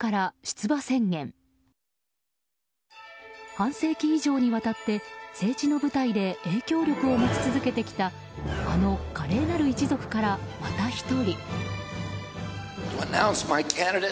半世紀以上にわたって政治の舞台で影響力を持ち続けてきたあの華麗なる一族からまた１人。